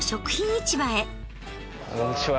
こんにちは。